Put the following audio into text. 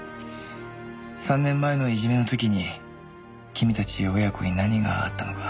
３年前のいじめの時に君たち親子に何があったのか。